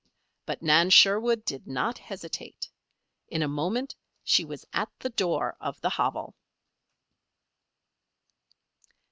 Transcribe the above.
But Nan Sherwood did not hesitate. In a moment she was at the door of the hovel.